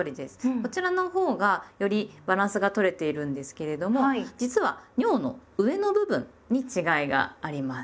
こちらのほうがよりバランスがとれているんですけれども実は「にょう」の上の部分に違いがあります。